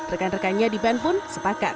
rekan rekannya di band pun sepakat